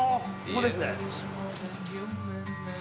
ここですね